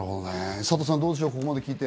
サトさん、どうでしょう？